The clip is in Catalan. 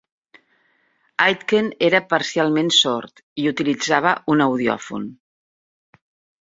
Aitken era parcialment sord i utilitzava un audiòfon.